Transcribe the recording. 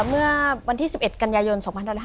เมื่อวันที่๑๑กันยายน๒๕๕๙